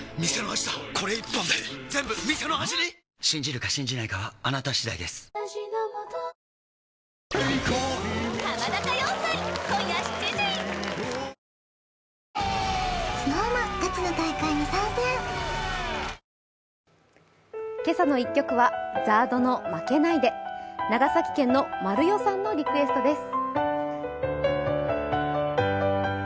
信じるか信じないかはあなた次第です「けさの１曲」はＺＡＲＤの「負けないで」。長崎県のまるよさんのリクエストです。